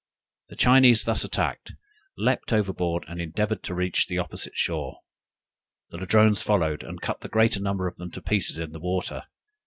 The Chinese thus attacked, leaped overboard, and endeavored to reach the opposite shore; the Ladrones followed, and cut the greater number of them to pieces in the water.